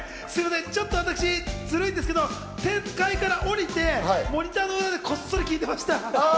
私、ずるいんですけど天界からおりてモニターの横でこっそり聴いてました。